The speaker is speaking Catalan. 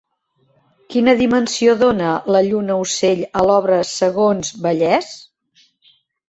Quina dimensió dona la lluna-ocell a l'obra segons Vallès?